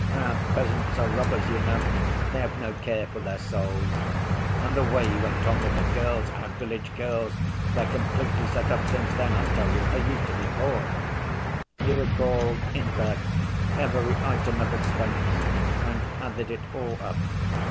Our peasants are robbers, you know; they have no care for their souls. And the way he went on with the girls, our village girls! They're completely set up since then, I tell you, they used to be poor." He recalled, in fact, every item of expense and added it all up.